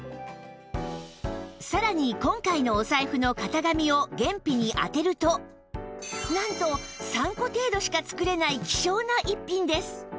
さらに今回のお財布の型紙を原皮に当てるとなんと３個程度しか作れない希少な逸品です